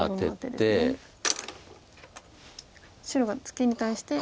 白がツケに対して。